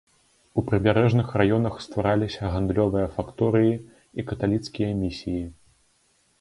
У прыбярэжных раёнах ствараліся гандлёвыя факторыі і каталіцкія місіі.